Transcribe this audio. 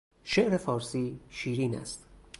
شعر فارسی شیرین است.